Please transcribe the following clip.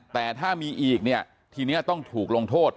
แต่ถ้ามีอีกเนี่ยทีนี้ต้องถูกลงโทษ